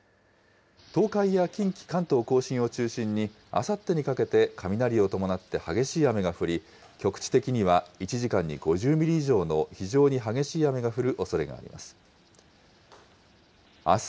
東海や近畿、関東甲信を中心に、あさってにかけて雷を伴って激しい雨が降り、局地的には１時間に５０ミリ以上の非常に激しい雨が降るおそれがあります。